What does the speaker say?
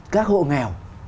các hộ nghèo